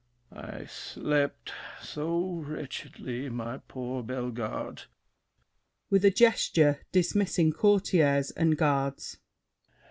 I slept so wretchedly, my poor Bellegarde. [With a gesture dismissing Courtiers and Guards.